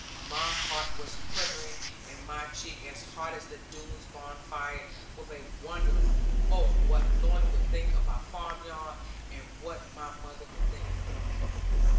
My heart was quivering, and my cheeks as hot as the Doones' bonfire, with wondering both what Lorna would think of our farm yard, and what my mother would think of her.